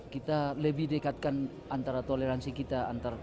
kita lebih dekatkan antara toleransi kita